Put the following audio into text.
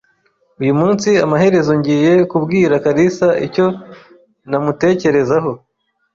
Uyu munsi, amaherezo ngiye kubwira kalisa icyo mumutekerezaho.